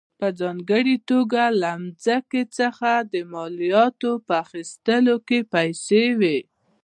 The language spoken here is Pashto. په ځانګړې توګه له ځمکو څخه د مالیاتو په اخیستو کې پیسې وې.